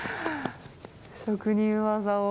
職人技を。